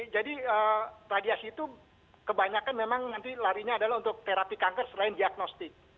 jadi radiasi itu kebanyakan memang nanti larinya adalah untuk terapi kanker selain diagnostik